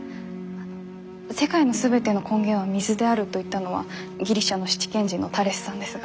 世界の全ての根源は水であると言ったのはギリシャの七賢人のタレスさんですが。